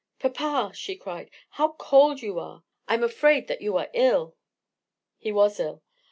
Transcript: "Papa," she cried, "how cold you are! I'm afraid that you are ill!" He was ill.